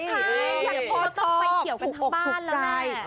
อยากโพสต์ชอบถูกออกถูกใจ